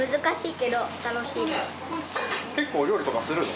結構料理とかするの？